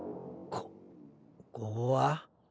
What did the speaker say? こここは？